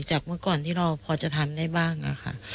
เมื่อก่อนที่เราพอจะทำได้บ้างค่ะ